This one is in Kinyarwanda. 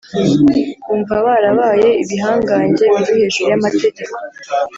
Bumva barabaye ibihangange biri hejuru y’amategeko